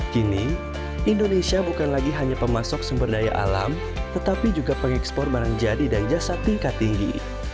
kini indonesia bukan lagi hanya pemasok sumber daya alam tetapi juga pengekspor barang jadi dan jasa tingkat tinggi